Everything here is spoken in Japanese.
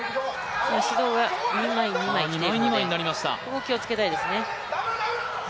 指導が２枚、２枚きてるので、ここ、気をつけたいですね。